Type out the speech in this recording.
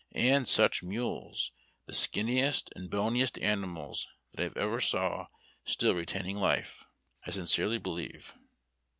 And such mules ! the skinniest and boniest animals that I ever saw still retaining life, I sincerely be lieve.